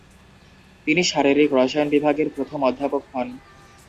তিনি শারীরিক রসায়ন বিভাগের প্রথম অধ্যাপক হন।